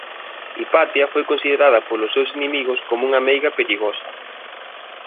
Hipatia foi considerada polos seus inimigos como unha meiga perigosa.